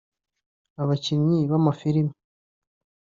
abakinnyi b’amafilime